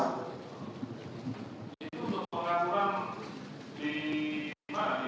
itu untuk pengajian uang di mana